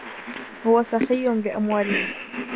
هو سخي بأمواله.